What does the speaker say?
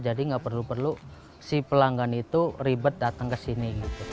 jadi nggak perlu perlu si pelanggan itu ribet datang ke sini